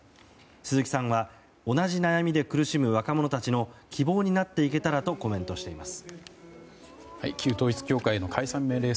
鈴木さんは同じ悩みで苦しむ若者たちの希望になっていけたらとコメントしています。